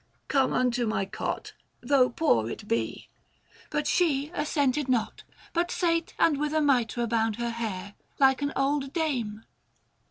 " Come unto my cot, Though poor it be ;" but she assented not, 580 But sate and with a mitra bound her hair Like an old dame.